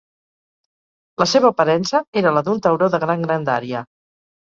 La seva aparença era la d'un tauró de gran grandària.